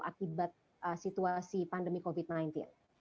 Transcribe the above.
akibat situasi pandemi covid sembilan belas